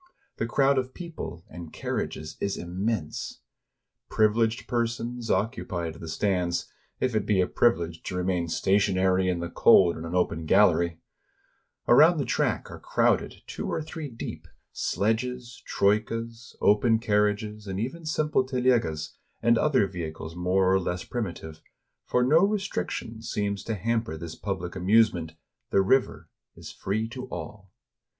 The crowd of people and car riages is immense. Privileged persons occupied the ' From Gautier's A Winter in Russia, by permission of Henry Holt and Company. 237 RUSSIA stands, if it be a privilege to remain stationary in the cold in an open gallery! Around the track are crowded, two or three deep, sledges, troikas, open carriages, and even simple telegas, and other vehicles more or less primitive ; for no restriction seems to hamper this public amusement: the river is free to all.